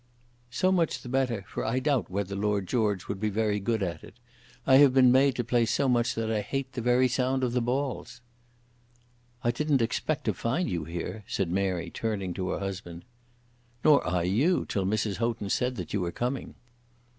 "So much the better, for I doubt whether Lord George would be very good at it. I have been made to play so much that I hate the very sound of the balls." "I didn't expect to find you here," said Mary, turning to her husband. "Nor I you, till Mrs. Houghton said that you were coming."